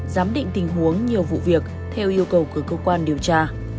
giám định tình huống nhiều vụ việc theo yêu cầu của cơ quan điều tra